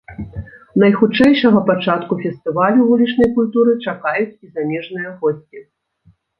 Найхутчэйшага пачатку фестывалю вулічнай культуры чакаюць і замежныя госці.